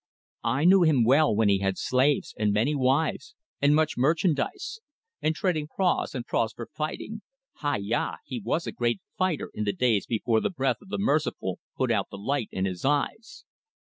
I knew him well when he had slaves, and many wives, and much merchandise, and trading praus, and praus for fighting. Hai ya! He was a great fighter in the days before the breath of the Merciful put out the light in his eyes.